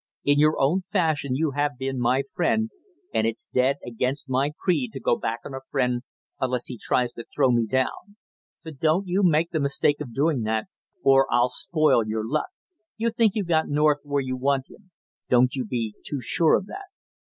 In your own fashion you have been my friend, and it's dead against my creed to go back on a friend unless he tries to throw me down; so don't you make the mistake of doing that, or I'll spoil your luck! You think you got North where you want him; don't you be too sure of that!